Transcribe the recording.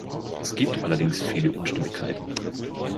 Es gibt allerdings viele Unstimmigkeiten.